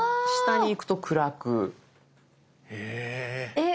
えっ！